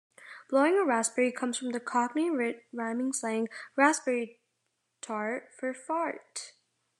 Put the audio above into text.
Blowing a raspberry comes from the Cockney rhyming slang "raspberry tart" for "fart".